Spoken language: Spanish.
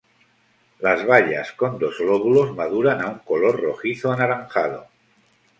Las bayas, con dos lóbulos, maduran a un color rojizo-anaranjado.